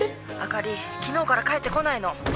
あかり昨日から帰ってこないの。